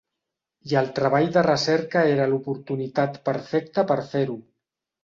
I el Treball de Recerca era l'oportunitat perfecta per fer-ho.